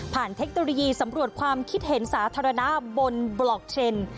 เทคโนโลยีสำรวจความคิดเห็นสาธารณะบนบล็อกเทรนด์